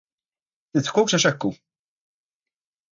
Tidħkux għax hekk hu!